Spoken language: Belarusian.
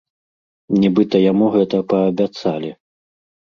Нібыта яму гэта паабяцалі.